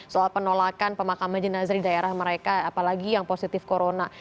soal penolakan pemakaman jenazah di daerah mereka apalagi yang positif corona